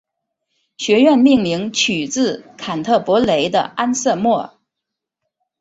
学院命名取自坎特伯雷的安瑟莫。